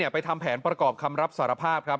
ไปทำแผนประกอบคำรับสารภาพครับ